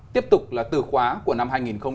tiếp tục là từ khóa của năm hai nghìn hai mươi